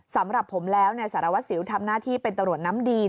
สำหรับผมแล้วสารวัสสิวทำหน้าที่เป็นตำรวจน้ำดี